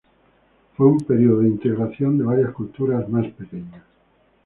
Fue un periodo de integración de varias culturas más pequeñas.